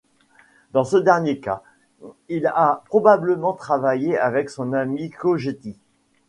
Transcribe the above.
Dans ce dernier cas, il a probablement travaillé avec son ami Coghetti.